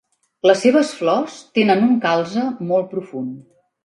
Les seves flors tenen un calze molt profund.